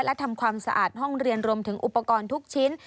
และทำความสะอาดห้องเรียนรวมถึงอุปกรณ์ทุกชิ้น